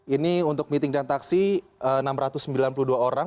ini untuk meeting dan taksi enam ratus sembilan puluh dua orang